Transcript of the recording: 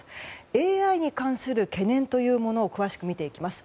ＡＩに関する懸念を詳しく見ていきます。